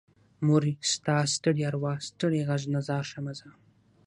مورې ستا ستړي ارواه ستړې غږ نه ځار شمه زه